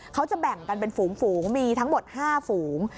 เขาจะแบ่งกันเป็นฝูงมีทั้งหมด๕ฝูง